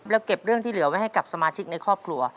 แล้วเก็บเรื่องที่เหลือไว้ให้กับสมาชิกในครอบครัว